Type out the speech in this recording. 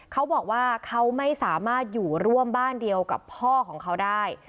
เขาบอกว่าเขาไม่สามารถอยู่ร่วมบ้านเดียวกับพ่อของเขาได้